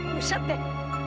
lo siap deh